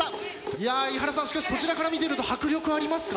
いや伊原さんしかしそちらから見ていると迫力ありますか？